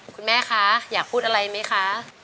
คุณแม่คะอยากพูดอะไรไหมคะ